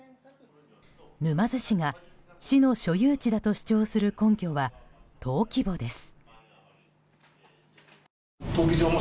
沼津市が市の所有地だと主張する根拠は登記簿です。